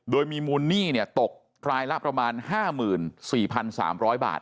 โดยมีมูลหนี้เนี่ยตกรายละประมาณห้าหมื่นสี่พันสามบาท